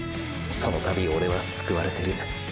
その度オレは救われてる。